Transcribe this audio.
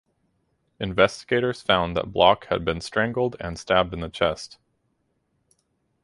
Investigators found that Bloch had been strangled and stabbed in the chest.